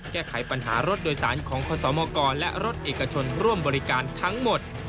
แก้ไขปัญหารถโดยสารของคศมกรและรถเอกชนร่วมบริการทั้งหมด